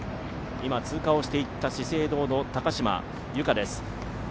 今、通過をしていった資生堂の高島由香です。